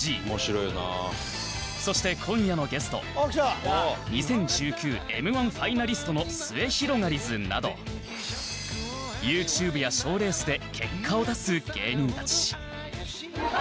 そして今夜のゲスト ２０１９Ｍ−１ ファイナリストのすゑひろがりずなど ＹｏｕＴｕｂｅ や賞レースで結果を出す芸人たち